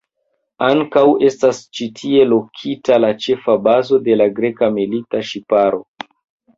Ankaŭ estas ĉi tie lokita la ĉefa bazo de la greka milita ŝiparo.